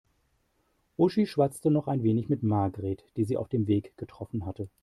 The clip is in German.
Uschi schwatzte noch ein wenig mit Margret, die sie auf dem Weg getroffen hatte.